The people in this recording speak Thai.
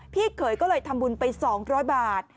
พี่เขยก็เลยทำบุญไป๒๐๐บาท